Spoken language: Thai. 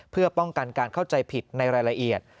เพื่อป้องกันการเข้าใจผิดในรายละเอียด